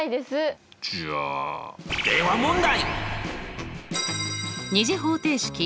じゃあでは問題！